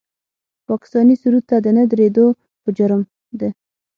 پاکستاني سرود ته د نه درېدو په جرم د